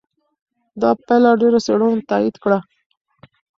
دا پایله ډېرو څېړنو تایید کړه.